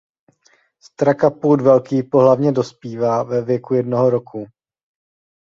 Strakapoud velký pohlavně dospívá ve věku jednoho roku.